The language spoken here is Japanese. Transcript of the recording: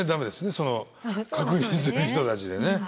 その確認する人たちでね。